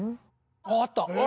・あった。